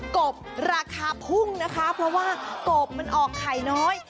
กบราคาพุ่งนะคะเพราะว่ากบมันออกไข่น้อย